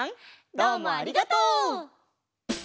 どうもありがとう！